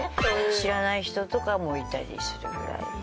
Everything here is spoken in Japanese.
知らない人とかもいたりするぐらいな。